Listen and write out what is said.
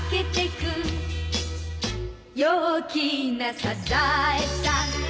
「陽気なサザエさん」